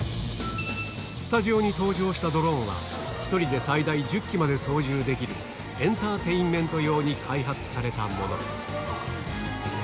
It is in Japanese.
スタジオに登場したドローンは、１人で最大１０機まで操縦できる、エンターテインメント用に開発されたもの。